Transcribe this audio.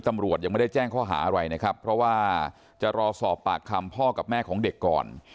ตำรวจยังไม่ได้แจ้งข้อหาอะไรนะครับเพราะว่าจะรอสอบปากคำพ่อกับแม่ของเด็กก่อน